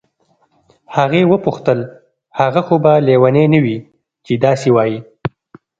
هغې وپوښتل هغه خو به لیونی نه وي چې داسې وایي.